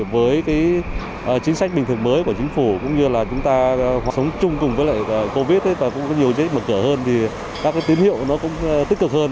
với chính sách bình thường mới của chính phủ cũng như là chúng ta sống chung cùng với covid và cũng có nhiều dịch mở cửa hơn thì các tín hiệu nó cũng tích cực hơn